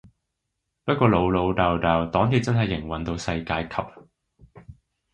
不過老老豆豆黨鐵真係營運到世界級